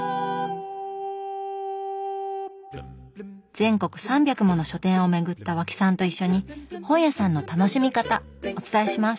全国３００もの書店を巡った和氣さんと一緒に本屋さんの楽しみ方お伝えします！